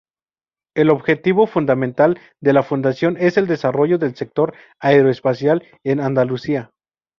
El objetivo fundamental de la Fundación es el desarrollo del Sector Aeroespacial en Andalucía.